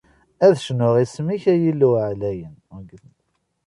Ad cnuɣ isem-ik, ay Illu ɛlayen!